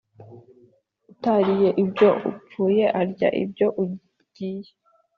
Utariye ibyo upfuye arya ibyo ugiye.